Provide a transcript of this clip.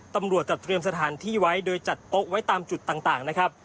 ตำรวจจัดเตรียมสถานที่ไว้โดยจัดโต๊ะไว้ตามจุดต่างนะครับ